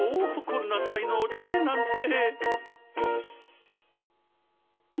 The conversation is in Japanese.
こんな才能だけなんて。